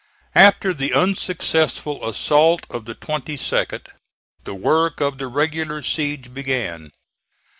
After the unsuccessful assault of the 22d the work of the regular siege began.